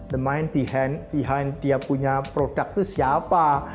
the mind behind behind dia punya produk itu siapa